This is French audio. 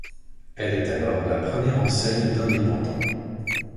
Elle est alors la première enseigne d'indépendants.